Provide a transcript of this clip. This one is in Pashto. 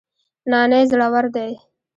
نانی زړور دی